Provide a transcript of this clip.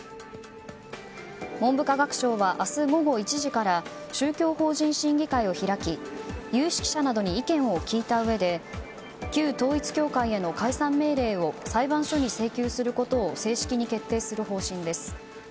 文部科学省は明日午後１時から宗教法人審議会を開き有識者などに意見を聞いたうえで旧統一教会への解散命令を裁判所に請求することを正式に決定する方針です。